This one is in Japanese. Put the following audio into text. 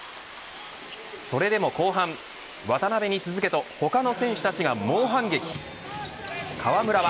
それでも後半、渡邊に続けと他の選手たちが猛反撃。